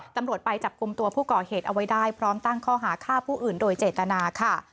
ตำรวจไปจับกลุ่มตัวผู้ก่อเหตุเอาไว้ได้พร้อมตั้งข้อหาฆ่าผู้อื่นโดยเจตนาค่ะ